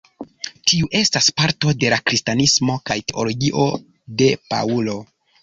Tiu estas parto de la kristanismo kaj teologio de Paŭlo.